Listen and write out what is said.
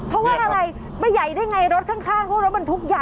เพราะว่าอะไรไม่ใหญ่ได้ไงรถข้างเพราะว่ารถมันทุกข์ใหญ่อ่ะค่ะ